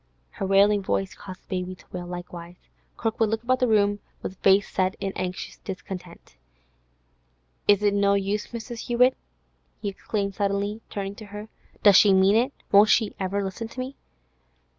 Her wailing voice caused the baby to wail likewise. Kirkwood looked about the room with face set in anxious discontent. 'Is it no use, Mrs. Hewett?' he exclaimed suddenly, turning to her. 'Does she mean it? Won't she ever listen to me?